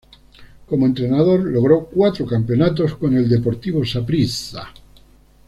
Como entrenador logró cuatro campeonatos con el Deportivo Saprissa.